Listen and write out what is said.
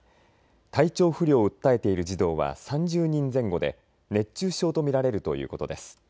体調不良を訴えている児童は３０人前後で熱中症と見られるということです。